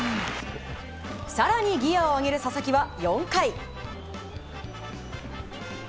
更にギアを上げる佐々木は４回。